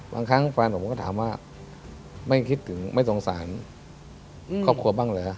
บางครั้งแฟนผมก็ถามว่าไม่คิดถึงไม่สงสารครอบครัวบ้างเหรอ